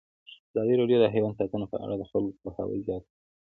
ازادي راډیو د حیوان ساتنه په اړه د خلکو پوهاوی زیات کړی.